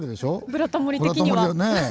「ブラタモリ」的には。